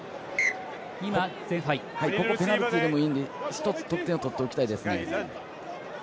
ここペナルティでもいいので一つ得点を取っておきたいですね。